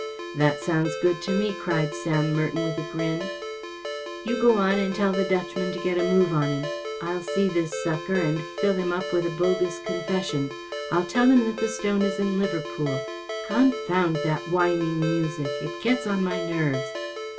" That sounds good to me! ‚ÄĚ cried Sam Merton, with a grin. “ You go on and tell the Dutchman to get a move on him. I’ll see this sucker and fill him up with a bogus confession. I'll tell him that the stone is in Liverpool. Confound that whining music ; it gets on my nerves